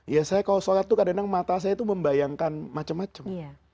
ya saya kalau sholat itu kadang kadang mata saya itu membayangkan macam macam